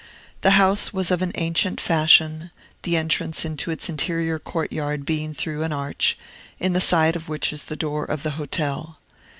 The house was of an ancient fashion, the entrance into its interior court yard being through an arch, in the side of which is the door of the hotel.